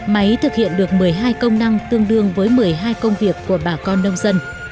máy thực hiện được một mươi hai công năng tương đương với một mươi hai công việc của bà con nông dân